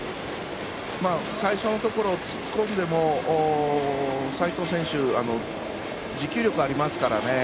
最初のところ突っ込んでも齋藤選手、持久力ありますからね。